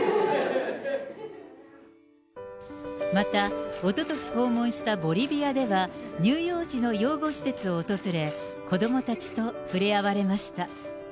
また、おととし訪問したボリビアでは、乳幼児の養護施設を訪れ、子どもたちと触れ合われました。